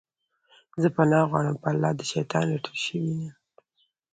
زه پناه غواړم په الله د شيطان رټلي شوي نه